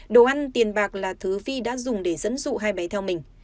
đồ ăn tiền bạc là thứ phi đã dùng để dẫn dụ hai bé theo mình